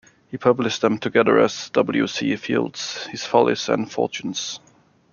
He published them together as "W. C. Fields: His Follies and Fortunes".